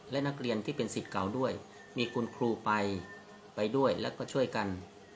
และนักเรียนที่เป็นสิทธิ์เก่าด้วยมีคุณครูไปไปด้วยแล้วก็ช่วยกัน